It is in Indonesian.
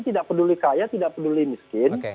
tidak peduli kaya tidak peduli miskin